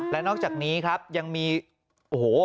และนอกจากนี้ครับยังมีโอ้โห